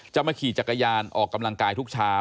มาขี่จักรยานออกกำลังกายทุกเช้า